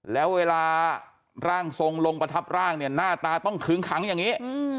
แล้วเวลาร่างทรงลงประทับร่างเนี่ยหน้าตาต้องขึงขังอย่างนี้